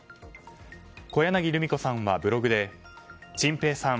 小柳ルミ子さんはブログでチンペイさん